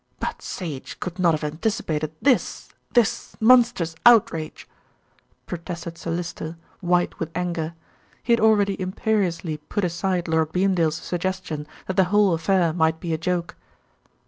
"But Sage could not have anticipated this this monstrous outrage," protested Sir Lyster, white with anger. He had already imperiously put aside Lord Beamdale's suggestion that the whole affair might be a joke.